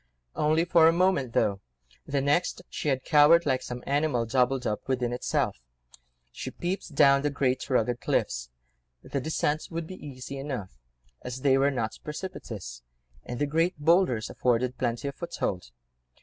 Only for a moment, though; the next she had cowered, like some animal doubled up within itself. She peeped down the great rugged cliffs—the descent would be easy enough, as they were not precipitous, and the great boulders afforded plenty of foothold.